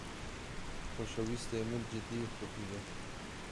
Xoşewîstê min cidî dixuye.